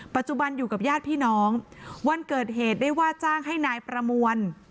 ปัจจุบันอยู่กับญาติพี่น้องวันเกิดเหตุได้ว่าจ้างให้นายประมวล